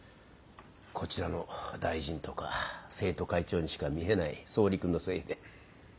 こちらの大臣とか生徒会長にしか見えない総理君のせいで。